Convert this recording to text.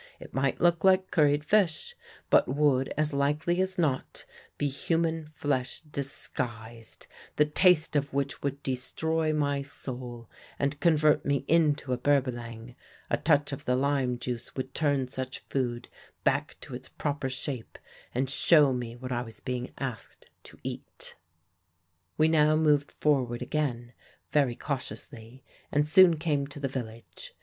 It might look like curried fish, but would, as likely as not, be human flesh disguised, the taste of which would destroy my soul and convert me into a Berbalang; a touch of the lime juice would turn such food back to its proper shape and show me what I was being asked to eat. "We now moved forward again, very cautiously, and soon came to the village.